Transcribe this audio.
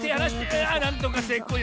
あなんとかせいこう。